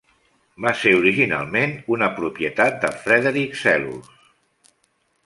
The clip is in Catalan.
Va ser originalment una propietat de Frederic Selous.